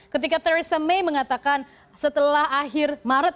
ketika theresa may mengatakan setelah akhir maret